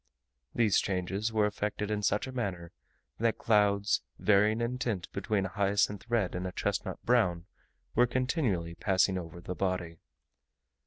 These changes were effected in such a manner, that clouds, varying in tint between a hyacinth red and a chestnut brown, were continually passing over the body.